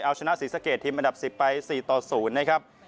เอาชนะศรีสะเกดทีมอันดับ๑๐ไป๔ต่อ๐นะครับ